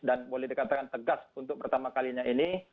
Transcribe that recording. dan boleh dikatakan tegas untuk pertama kalinya ini